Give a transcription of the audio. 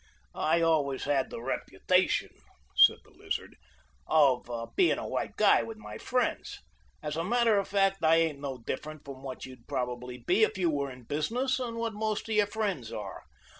"I've always had the reputation," said the Lizard, "of being a white guy with my friends. As a matter of fact, I ain't no different from what you'd probably be if you were in business and what most of your friends are.